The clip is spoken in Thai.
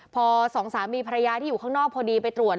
พอสองสามีภรรยาที่อยู่ข้างนอกพอดีไปตรวจ